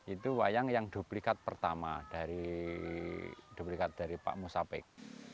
itu wayang yang duplikat pertama dari pak musapek